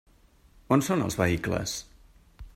On són els vehicles?